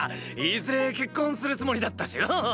いずれ結婚するつもりだったしよ。